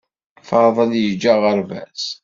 Faḍel yeǧǧa aɣerbaz